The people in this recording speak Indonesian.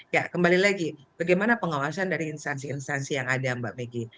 ya kembali lagi bagaimana pengawasan dari instansi instansi yang ada mbak meggy